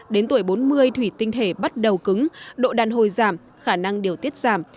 đến tuổi bốn mươi thủy tinh thể bắt đầu cứng độ đàn hồi giảm khả năng điều tiết giảm